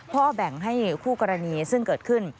แบ่งให้คู่กรณีซึ่งเกิดขึ้น